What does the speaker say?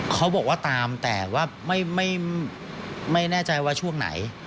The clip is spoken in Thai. เขาบอกว่าตามแต่ว่าไม่แน่ใจว่าช่วงไหน